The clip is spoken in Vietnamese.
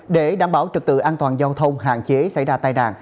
để đảm bảo trực tự an toàn giao thông hạn chế xảy ra tai nạn